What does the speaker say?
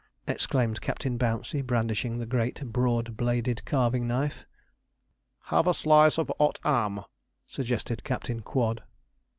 exclaimed Captain Bouncey, brandishing the great broad bladed carving knife. 'Have a slice of 'ot 'am,' suggested Captain Quod.